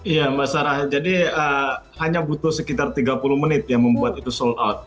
iya mbak sarah jadi hanya butuh sekitar tiga puluh menit yang membuat itu sold out